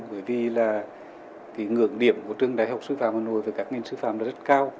bởi vì là cái ngưỡng điểm của trường đại học sư phạm hà nội và các ngành sư phạm là rất cao